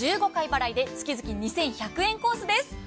１５回払いで月々２１００円コースです。